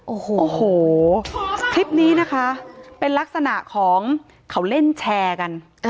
โอ้โหคลิปนี้นะคะเป็นลักษณะของเขาเล่นแชร์กัน